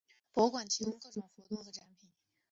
博物馆提供各种活动和展品。